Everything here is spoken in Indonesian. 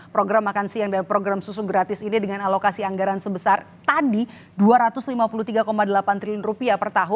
program makan siang dan program susu gratis ini dengan alokasi anggaran sebesar tadi rp dua ratus lima puluh tiga delapan triliun